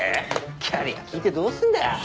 キャリア聞いてどうすんだよ。